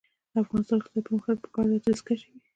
د افغانستان د اقتصادي پرمختګ لپاره پکار ده چې دستکشې وي.